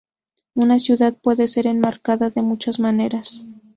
Una ciudad puede ser enmarcada de muchas maneras.